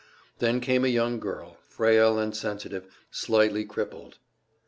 Then came a young girl, frail and sensitive, slightly crippled.